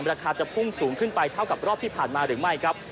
ราคาจะพุ่งสูงขึ้นไปเท่ากับรอบที่ผ่านมาหรือไม่ครับ